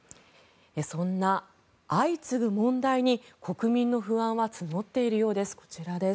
そんな相次ぐ問題に国民の不安は募っているようです。